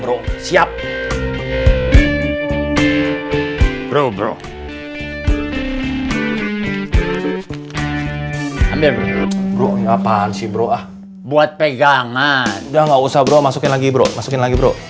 udah gak usah bro masukin lagi bro masukin lagi bro